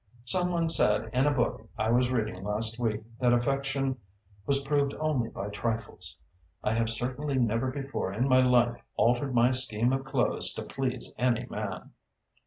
Some one said in a book I was reading last week that affection was proved only by trifles. I have certainly never before in my life altered my scheme of clothes to please any man."